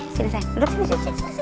sini sayang duduk sini